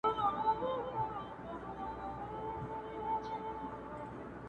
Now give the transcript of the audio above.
قاتل ژوندی دی، مړ یې وجدان دی~